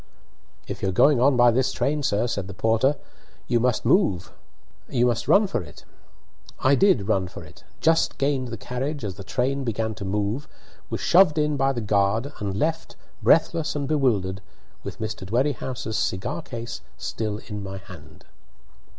"If you're going on by this train, sir," said the porter, "you must run for it." I did run for it, just gained the carriage as the train began to move, was shoved in by the guard, and left, breathless and bewildered, with Mr. Dwerrihouse's cigar case still in my hand.